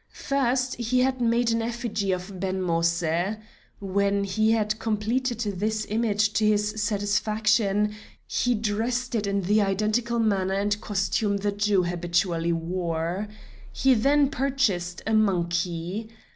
First he had made an effigy of Ben Moïse. When he had completed this image to his satisfaction, he dressed it in the identical manner and costume the Jew habitually wore. He then purchased a monkey.